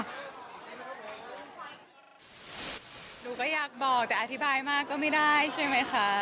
หนูก็อยากบอกแต่อธิบายมากก็ไม่ได้ใช่ไหมคะ